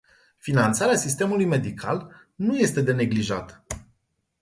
Finanțarea sistemului medical nu este de neglijat.